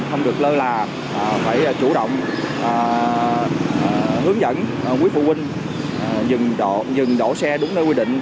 không được lơ là phải chủ động hướng dẫn quý phụ huynh dừng đổ xe đúng nơi quy định